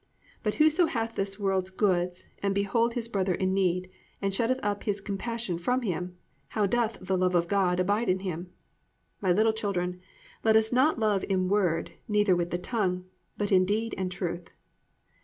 But whoso hath this world's goods, and behold his brother in need, and shutteth up his compassion from him, how doth the love of God abide in him? My little children, let us not love in word neither with the tongue; but in deed and truth."